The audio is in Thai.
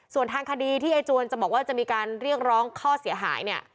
ส่วนทางคดีที่ยายจวนจะบอกว่าจะมีการเรียกร้องข้อเสียหายเนี่ย